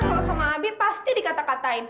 kalo sama abi pasti dikata katain